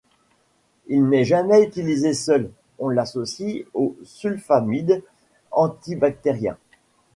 Il n'est jamais utilisé seul, on l'associe aux sulfamides antibactériens.